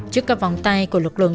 trước các vòng tay của lực lượng